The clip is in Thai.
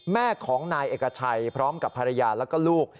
แม่ของนายเอกชัยพร้อมกับภรรยาแล้วก็ลูก